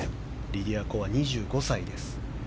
リディア・コは２５歳です。